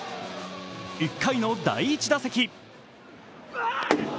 １回の第１打席。